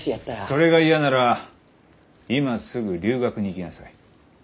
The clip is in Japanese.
それが嫌なら今すぐ留学に行きなさい。